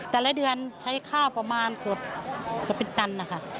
แต่ละเดือนใช้ข้าวประมาณกว่าเป็นตัน